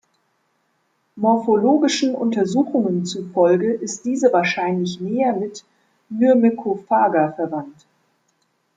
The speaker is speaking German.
Morphologischen Untersuchungen zufolge ist diese wahrscheinlich näher mit "Myrmecophaga" verwandt.